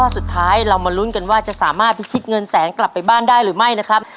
สุดท้ายเรามาลุ้นกันว่าจะสามารถพิชิตเงินแสนกลับไปบ้านได้หรือไม่นะครับ